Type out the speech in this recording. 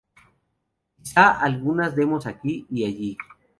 Quizá algunas demos aquí y allí.